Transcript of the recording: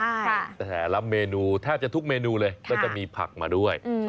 ใช่แต่แถลมเมนูแทบจะทุกเมนูเลยค่ะแล้วก็จะมีผักมาด้วยอืม